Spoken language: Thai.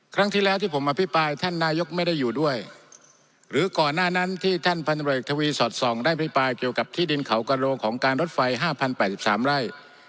ครั้งที่แล้วที่ผมอภิปรายท่านนายกไม่ได้อยู่ด้วยหรือก่อนหน้านั้นที่ท่านพันธบริกทวีสอดส่องได้พิปรายเกี่ยวกับที่ดินเขากระโลงของการรถไฟ๕๐๘๓ไร่